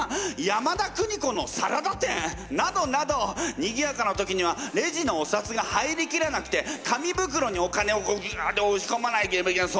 山田邦子のサラダ店などなどにぎやかな時にはレジのお札が入りきらなくて紙ぶくろにお金をこうギュッておしこまなければいけない